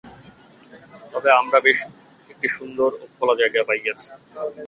তবে আমরা বেশ একটি সুন্দর ও খোলা জায়গা পাইয়াছি।